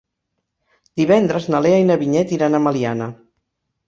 Divendres na Lea i na Vinyet iran a Meliana.